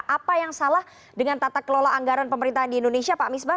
apa yang salah dengan tata kelola anggaran pemerintahan di indonesia pak misbah